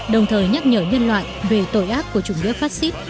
đồng thời nhắc nhở nhân loại về tội ác của chủ nghĩa phát xít